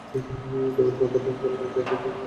যেমন পাতারা রঙ পালটায়, চাঁদ নিজের আকার পালটায়।